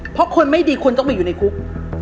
เพราะคนไม่ดีคนต้องมาอยู่ในคุก